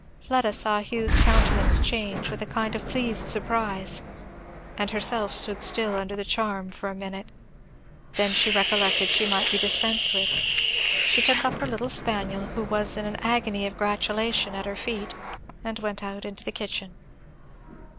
Fleda saw Hugh's countenance change, with a kind of pleased surprise, and herself stood still under the charm for a minute; then she recollected she might be dispensed with. She took up her little spaniel who was in an agony of gratulation at her feet, and went out into the kitchen.